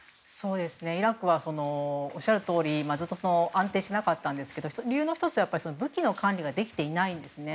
イラクはおっしゃるとおりずっと安定していなかったんですが理由の１つは武器の管理ができていないんですね。